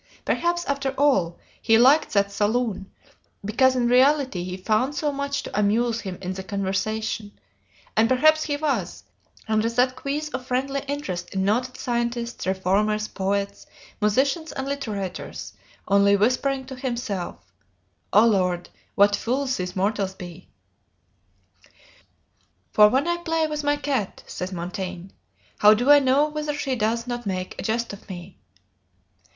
Perhaps, after all, he liked that "salon" because in reality he found so much to amuse him in the conversation; and perhaps he was, under that guise of friendly interest in noted scientists, reformers, poets, musicians, and litterateurs, only whispering to himself, "O Lord, what fools these mortals be!" "For when I play with my cat," says Montaigne, "how do I know whether she does not make a jest of me?"